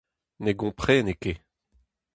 Ne gomprene ket.